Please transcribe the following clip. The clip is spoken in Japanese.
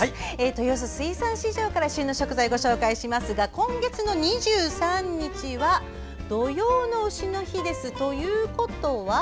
豊洲水産市場から旬の食材をご紹介しますが今月の２３日は土用の丑の日です。ということは？